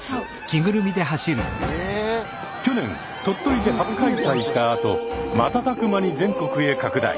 去年鳥取で初開催したあと瞬く間に全国へ拡大。